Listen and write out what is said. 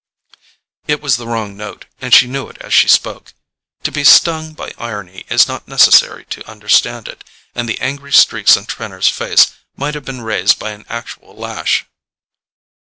It was the wrong note, and she knew it as she spoke. To be stung by irony it is not necessary to understand it, and the angry streaks on Trenor's face might have been raised by an actual lash.